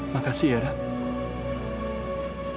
makasih ya ratu